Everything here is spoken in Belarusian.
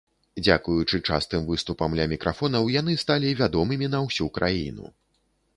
Дзякуючы частым выступам ля мікрафонаў, яны сталі вядомымі на ўсю краіну.